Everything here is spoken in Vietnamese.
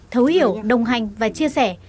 thấu hiểu đồng hành và chia sẻ